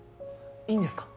いいんですか？